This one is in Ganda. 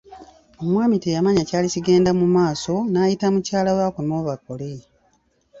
Omwami teyamanya kyali kigenda mu maaso, n'ayita mukyala we akomewo bakole.